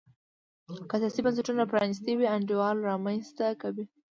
که سیاسي بنسټونه پرانیستي وي انډول رامنځته کوي.